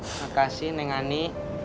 makasih neng ani